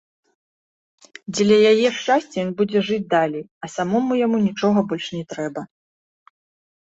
Дзеля яе шчасця ён будзе жыць далей, а самому яму нічога больш не трэба.